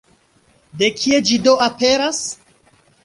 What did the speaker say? De kie ĝi do aperas?